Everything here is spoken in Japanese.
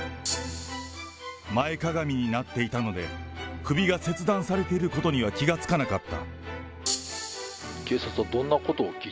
前かがみになっていたので、首が切断されていることには気がつかなかった。